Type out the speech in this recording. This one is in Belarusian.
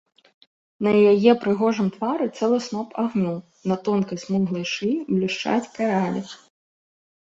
На яе прыгожым твары цэлы сноп агню, на тонкай смуглай шыі блішчаць каралі.